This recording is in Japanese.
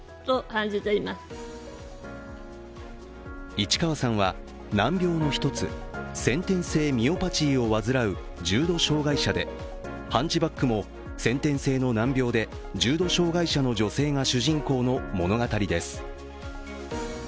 市川さんは、難病の一つ先天性ミオパチーを患う重度障害者で「ハンチバック」も先天性の難病で重度障害者の女性が主人公の物語です。